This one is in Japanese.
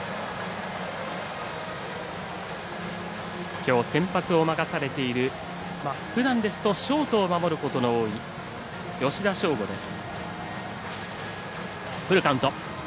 きょう先発を任されているふだんですとショートを守ることの多い吉田匠吾です。